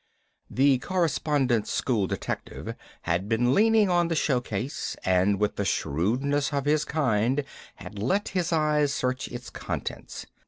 The Correspondence School detective had been leaning on the show case, and with the shrewdness of his kind had let his eyes search its contents.